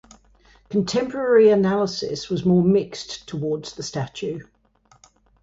Contemporary analysis was more mixed towards the statue.